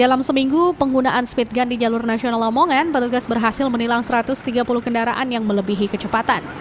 dalam seminggu penggunaan speedgun di jalur nasional lamongan petugas berhasil menilang satu ratus tiga puluh kendaraan yang melebihi kecepatan